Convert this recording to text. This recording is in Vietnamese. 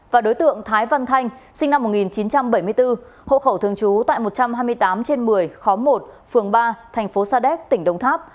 và đối tượng thái văn thanh sinh năm một nghìn chín trăm bảy mươi bốn hộ khẩu thường trú tại một trăm hai mươi tám trên một mươi khóm một phường ba thành phố sa đéc tỉnh đồng tháp